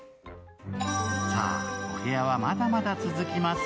さあ、お部屋はまだまだ続きます。